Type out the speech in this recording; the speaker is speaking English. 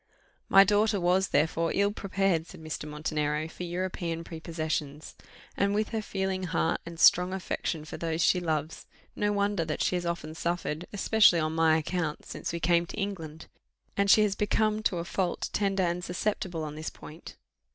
"My daughter was, therefore, ill prepared," said Mr. Montenero, "for European prepossessions; and with her feeling heart and strong affection for those she loves, no wonder that she has often suffered, especially on my account, since we came to England; and she has become, to a fault, tender and susceptible on this point."